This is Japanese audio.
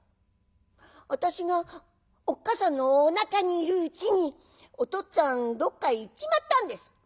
「私がおっかさんのおなかにいるうちにおとっつぁんどっかへ行っちまったんです」。